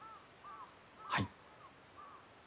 はい。